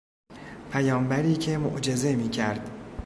پیامبری که معجزه میکرد